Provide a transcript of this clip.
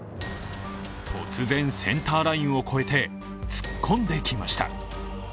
突然センターラインを超えて突っ込んできました。